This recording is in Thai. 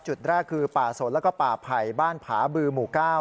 จุดแรกคือป่าสนแล้วก็ป่าไผ่บ้านผาบือหมู่๙